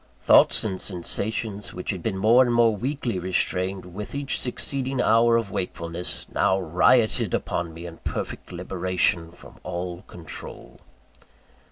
Thoughts and sensations which had been more and more weakly restrained with each succeeding hour of wakefulness, now rioted within me in perfect liberation from all control.